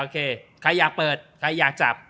ใครอยากเปิดใครอยากจับ